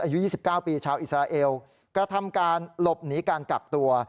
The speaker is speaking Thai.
อายุ๒๙ปีชาวอิสราเอลกระทำการหลบหนีการกักตัว